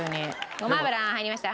ごま油入りました。